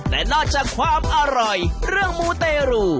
แต่นอกจากความอร่อยเรื่องมูเตรู